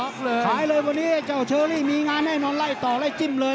ขายเลยวันนี้เจ้าเชอรี่มีงานแน่นอนไล่ต่อไล่จิ้มเลย